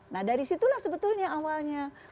nah dari situlah sebetulnya awalnya